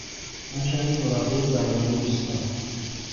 من کمی مربای زرد آلو دوست دارم.